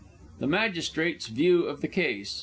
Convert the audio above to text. [The Magistrate's _view of the case.